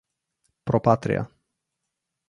Pro Patria